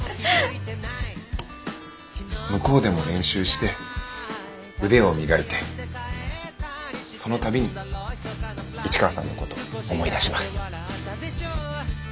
向こうでも練習して腕を磨いてその度に市川さんのことを思い出します。